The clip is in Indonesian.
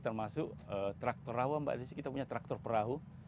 termasuk traktor rawa mbak desi kita punya traktor perahu